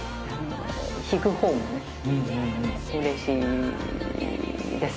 弾くほうもねうれしいです。